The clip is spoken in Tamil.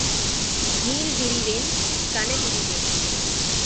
நீள் விரிவெண், கனவிரிவெண்.